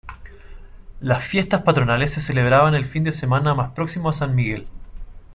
Las fiestas patronales se celebran el fin de semana más próximo a San Miguel.